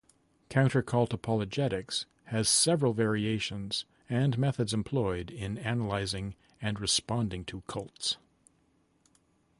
Countercult apologetics has several variations and methods employed in analysing and responding to cults.